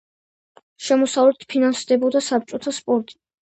შემოსავლით ფინანსდებოდა საბჭოთა სპორტი.